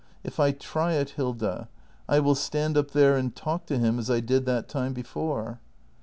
] I f I try it, Hilda, I will stand up there and talk to him as I did that time before.